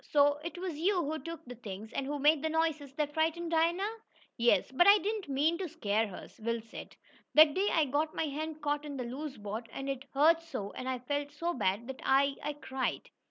"So it was you who took the things, and who made the noises that frightened Dinah?" "Yes, but I didn't mean, to scare her," Will said. "That day I got my hand caught in the loose board, and it hurt so, and I felt so bad that I I cried.